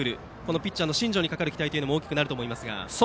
ピッチャーの新庄にかかる期待も大きくなると思いますが。